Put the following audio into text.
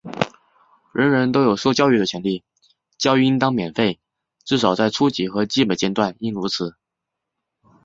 人人都有受教育的权利,教育应当免费,至少在初级和基本阶段应如此。